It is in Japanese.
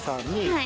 はい。